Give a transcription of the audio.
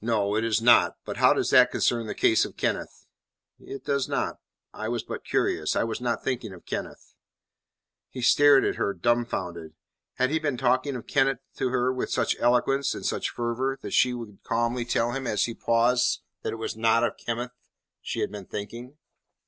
"No, it is not. But how does that concern the case of Kenneth?" "It does not. I was but curious. I was not thinking of Kenneth." He stared at her, dumfounded. Had he been talking of Kenneth to her with such eloquence and such fervour, that she should calmly tell him as he paused that it was not of Kenneth she had been thinking?